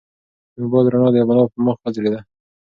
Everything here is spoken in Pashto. د موبایل رڼا د ملا په مخ وځلېده.